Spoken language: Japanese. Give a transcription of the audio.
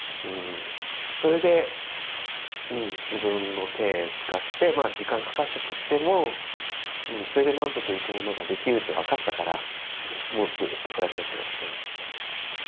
それで自分の手使って時間かかったとしてもそれで満足いくものができるって分かったからもうずっとそうやってやってますね。